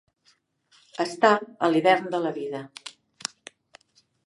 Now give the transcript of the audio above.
Estar a l'hivern de la vida.